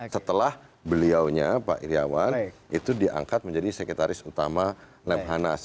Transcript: setelah beliaunya pak iryawan itu diangkat menjadi sekretaris utama lemhanas